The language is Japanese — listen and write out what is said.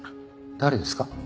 誰ですか？